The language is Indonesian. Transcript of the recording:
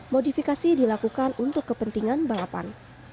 modifikasi dilakukan untuk kepentingan balapan